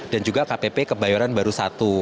dan juga kpp kebayaran baru i